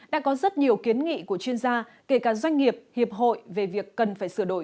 đã có rất nhiều kiến nghị của chuyên gia kể cả doanh nghiệp hiệp hội về việc cần phải sửa đổi